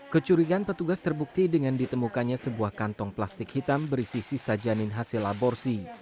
kecurigaan petugas terbukti dengan ditemukannya sebuah kantong plastik hitam berisi sisa janin hasil aborsi